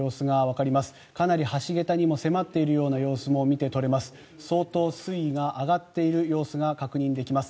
かなり橋桁にも迫っているような様子も見て取れます。